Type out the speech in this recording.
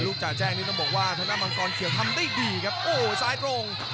ลูกจ่าแจงนี่ต้องบอกว่าถ้านะภังษ์จะทำได้ดีครับโอ้วซ้ายตรง